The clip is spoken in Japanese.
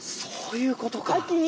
そういうことか。